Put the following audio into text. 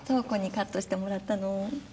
燈子にカットしてもらったの。